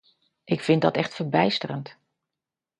Ik vind dat echt verbijsterend.